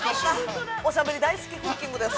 ◆おしゃべり大好きクッキングです。